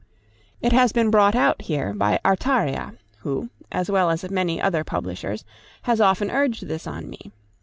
It has been brought out here by Artaria, who, as well as many other publishers, has often urged this on me.